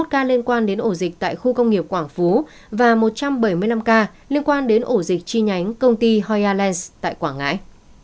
hai mươi ca liên quan đến ổ dịch tại khu công nghiệp quảng phú và một trăm bảy mươi năm ca liên quan đến ổ dịch chi nhánh công ty hoyalland tại quảng ngãi